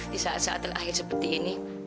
di saat saat terakhir seperti ini